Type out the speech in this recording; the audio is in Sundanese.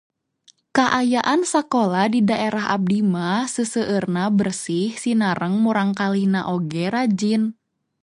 Kaayan sakola di daerah abdi mah seuseurna bersih sinareng murangkalihna oge rajin.